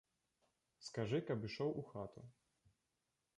Скажы, каб ішоў у хату.